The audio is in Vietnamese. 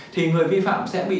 thì người vi phạm sẽ bị